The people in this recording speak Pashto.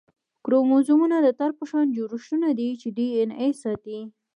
کروموزومونه د تار په شان جوړښتونه دي چې ډي این اې ساتي